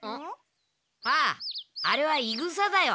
あああれはいぐさだよ。